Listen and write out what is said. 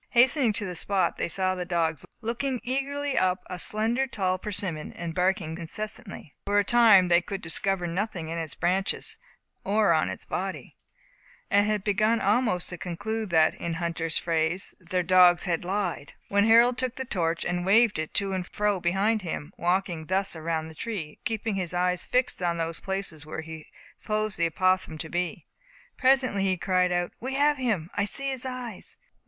Hastening to the spot, they saw the dogs looking eagerly up a slender, tall persimmon, and barking incessantly. For a time they could discover nothing in its branches, or on its body; and had begun almost to conclude that (in hunter's phrase) their dogs had lied, when Harold took the torch, waved it to and fro behind him, walking thus around the tree, and keeping his eyes fixed on those places where he supposed the opossum to be. Presently he cried out, "We have him! I see his eyes!